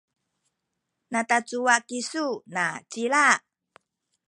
natacuwa kisu nacila?